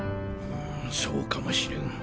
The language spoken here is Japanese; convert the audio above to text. そうかもしれん。